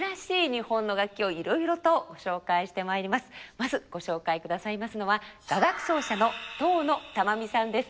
まずご紹介くださいますのは雅楽奏者の東野珠実さんです。